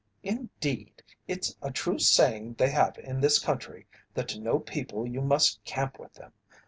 Indeed, it's a true saying they have in this country that to know people you must camp with them.